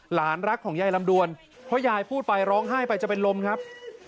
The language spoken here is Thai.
รักของยายลำดวนเพราะยายพูดไปร้องไห้ไปจะเป็นลมครับ